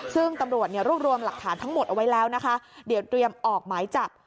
ซึ่งตำรวจเนี่ยรวบรวมหลักฐานทั้งหมดเอาไว้แล้วนะคะเดี๋ยวเตรียมออกหมายจับ